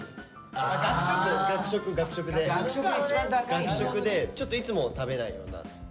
学食でちょっといつも食べないような。